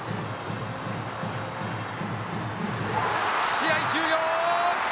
試合終了！